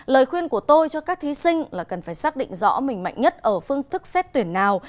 lời khuyên của tôi cho các thí sinh là cần phải xác định rõ mình mạnh nhất ở phương thức xét tuyển nào